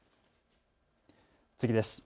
次です。